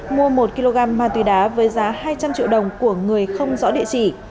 mua một kg ma túy đá với giá hai trăm linh triệu đồng của người không rõ địa chỉ